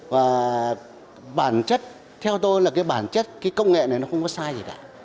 và bản chất theo tôi là cái bản chất cái công nghệ này nó không có sai gì cả